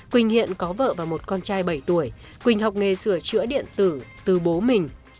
quỳnh hiện có vợ và một con trai bảy tuổi quỳnh học nghề sửa chữa điện tử từ bố mình